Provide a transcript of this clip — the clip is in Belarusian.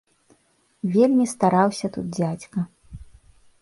Вельмі стараўся тут дзядзька.